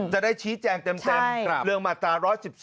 จะได้ชี้แจงเต็มเรื่องมาตรา๑๑๒